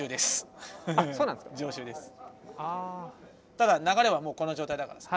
ただ流れはもうこの状態だからさ。